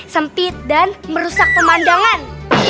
sempit dan merusak pemandangan